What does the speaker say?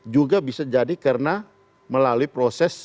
juga bisa jadi karena melalui proses